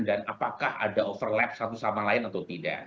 dan apakah ada overlap satu sama lain atau tidak